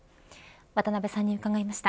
渡辺さんに伺いました。